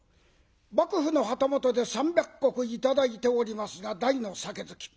幕府の旗本で３００石頂いておりますが大の酒好き。